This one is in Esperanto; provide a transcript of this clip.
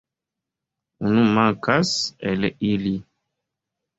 Unu mankas el ili.